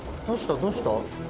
どうした？